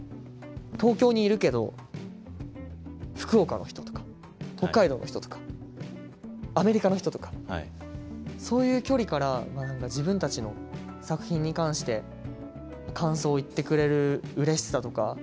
東京にいるけど福岡の人とか北海道の人とかアメリカの人とかそういう距離から自分たちの作品に関して感想を言ってくれるうれしさとか。